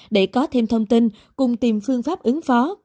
để có thêm thông tin cùng tìm phương pháp ứng phó